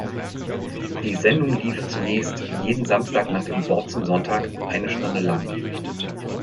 Die Sendung lief zunächst jeden Samstag nach dem Wort zum Sonntag eine Stunde lang.